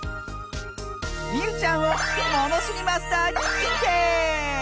みうちゃんをものしりマスターににんてい！